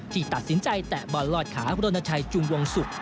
ตัดสินใจแตะบอลลอดขาบรณชัยจุงวงศุกร์